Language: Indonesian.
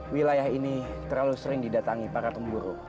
wilayah ini terlalu sering didatangi para pemburu